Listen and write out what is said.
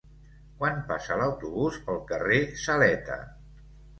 Quan passa l'autobús pel carrer Saleta?